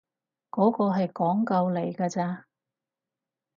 嗰個係廣告嚟㗎咋